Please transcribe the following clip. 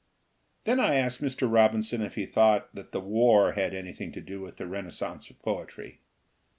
Then I asked Mr. Robinson if he thought that the war had anything to do with the renascence of poetry.